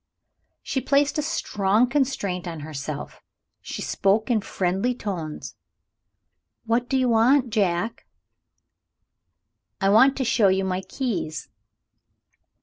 She placed a strong constraint on herself; she spoke in friendly tones. "What do you want, Jack?" "I want to show you my keys."